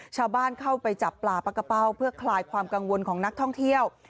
ชาวบ้านเข้าไปจับปลาปักกระเป้าเพื่อคลายความกังวลของนักท่องเที่ยว